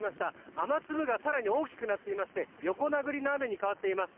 雨粒が更に大きくなっていまして横殴りの雨に変わっています。